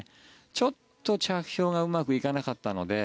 ちょっと着氷がうまくいかなかったので。